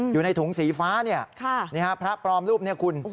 อยู่ในถุงสีฟ้านี่พระปรอมรูปนี่คุณ